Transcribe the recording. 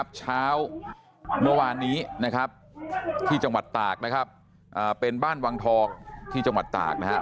เช้าเมื่อวานนี้นะครับที่จังหวัดตากนะครับเป็นบ้านวังทองที่จังหวัดตากนะครับ